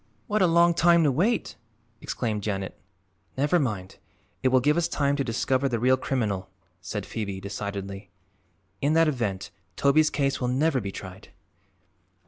"What a long time to wait!" exclaimed Janet. "Never mind; it will give us time to discover the real criminal," said Phoebe decidedly. "In that event Toby's case will never be tried."